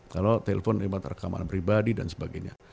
kalau telpon terima rekaman pribadi dan sebagainya